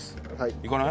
いかない？